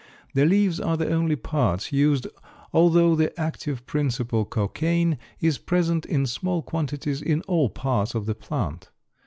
The leaves are the only parts used although the active principle, cocaine, is present in small quantities in all parts of the plant.